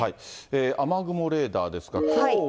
雨雲レーダーですが、きょうは。